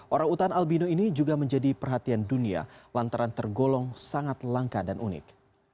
orang utan albino ini juga menjadi perhatian dunia lantaran tergolong sangat langka dan unik